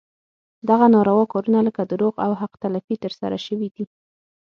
دغه ناروا کارونه لکه دروغ او حق تلفي ترسره شوي دي.